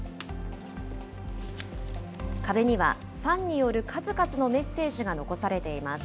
壁にはファンによる数々のメッセージが残されています。